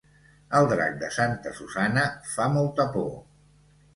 El drac de Santa Susanna fa molta por